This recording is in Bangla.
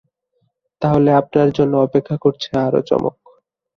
তাহলে আপনার জন্য অপেক্ষা করছে আরো চমক!